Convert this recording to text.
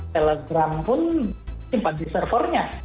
telegram pun menyimpan di server nya